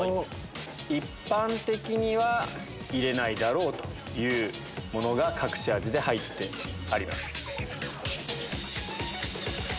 一般的には入れないだろうというものが隠し味で入ってあります。